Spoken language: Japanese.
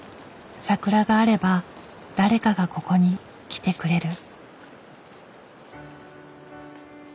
桜があれば誰かがここに来てくれる。